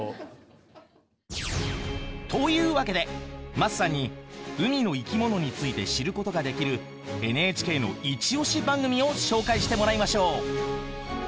というわけで桝さんに海の生き物について知ることができるＮＨＫのイチオシ番組を紹介してもらいましょう。